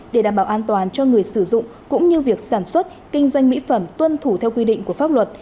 để đảm bảo an toàn cho người sử dụng cũng như việc sản xuất kinh doanh mỹ phẩm tuân thủ theo quy định của pháp luật